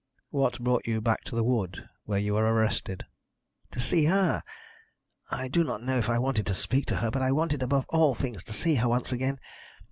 "What brought you back to the wood where you were arrested?" "To see her. I do not know if I wanted to speak to her; but I wanted above all things to see her once again.